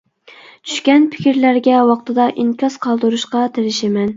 چۈشكەن پىكىرلەرگە ۋاقتىدا ئىنكاس قالدۇرۇشقا تىرىشىمەن.